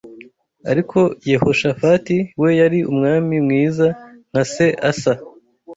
Ariko Yehoshafati we yari umwami mwiza nka se Asa